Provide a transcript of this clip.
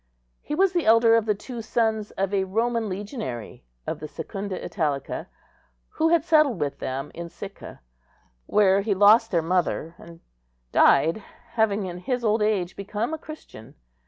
He was the elder of the two sons of a Roman legionary of the Secunda Italica, who had settled with them in Sicca, where he lost their mother, and died, having in his old age become a Christian.